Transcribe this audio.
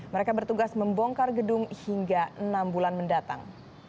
mereka bertugas membongkar gedung hingga enam bulan mendatang